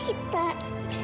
terima kasih pak